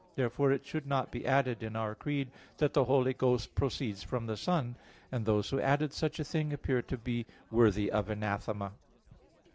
Therefore it should not be added in our Creed that the Holy Ghost proceeds from the Son; and those who added such a thing appear to be worthy of anathema.